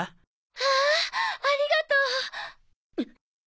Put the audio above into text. わあありがとう。